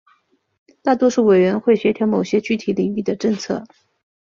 大多数委员会协调某些具体领域的政策。